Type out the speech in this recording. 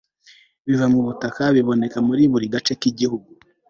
biva mu butaka biboneka muri buri gace kigihugu